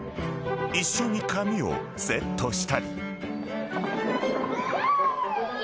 ［一緒に髪をセットしたり］